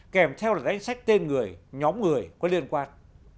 kèm theo là danh sách tên người nhóm người có liên quan